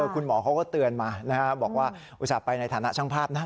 คุณหมอเขาก็เตือนมานะครับบอกว่าอุตส่าห์ไปในฐานะช่างภาพนะ